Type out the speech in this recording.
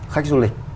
khách du lịch